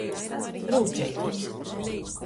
Rūčeitīs.